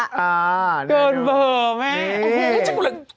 อ่าโดนเผลอแม่โอเค